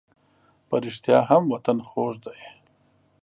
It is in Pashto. په رښتیا هم وطن خوږ دی.